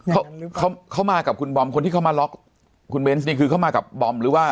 เขาเขามากับคุณบอมคนที่เขามาล็อกคุณเบนส์นี่คือเขามากับบอมหรือว่า